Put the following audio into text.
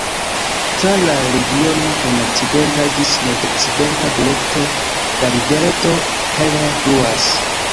Tra la regiono en okcidenta ĝis nordokcidenta direkto la rivereto Heller fluas.